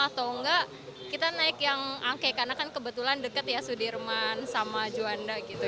atau enggak kita naik yang angke karena kan kebetulan dekat ya sudirman sama juanda gitu